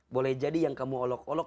boleh jadi yang kamu olok olok